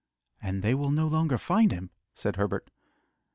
"And they will no longer find him," said Herbert.